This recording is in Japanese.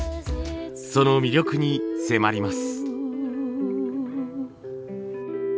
その魅力に迫ります。